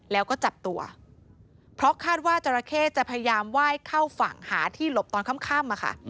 แล้วก็จับตัวเพราะคาดว่าจราเข้จะพยายามไหว้เข้าฝั่งหาที่หลบตอนค่ำ